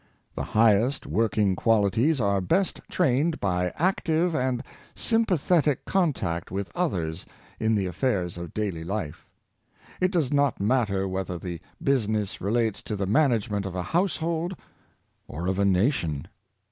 The highest working qualities are best trained by active and sympathetic contact with others in the affairs of daily life. It does not matter whether the business relates to the management of a household or of a nation.